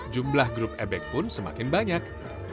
jumlah grup ebek pun semakin banyak